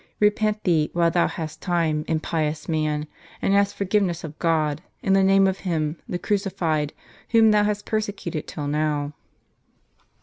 Repent thee, while thou hast time, impious man ; and ask forgiveness of God, in the name of Him, the Crucified, whom thou hast persecuted till now."